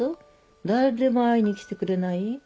誰も会いに来てくれない。